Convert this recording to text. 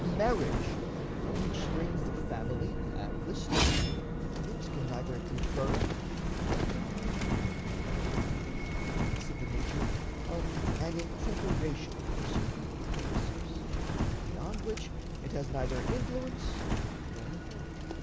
Marriage, from which springs the family and the State, it can neither confirm nor annul. It partakes of the nature of an incorporation for certain purposes, beyond which it has neither influence nor authority.